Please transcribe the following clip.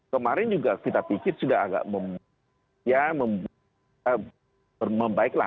kemarin juga kita pikir sudah agak membaiklah